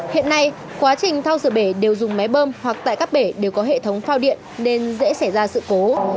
hiện nay quá trình thao sửa bể đều dùng máy bơm hoặc tại các bể đều có hệ thống phao điện nên dễ xảy ra sự cố